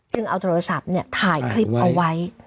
จึงเอาโทรศัพท์เนี่ยถ่ายคลิปเอาไว้